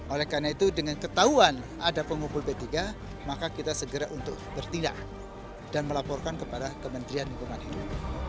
oleh karena itu dengan ketahuan ada pengumpul p tiga maka kita segera untuk bertindak dan melaporkan kepada kementerian lingkungan hidup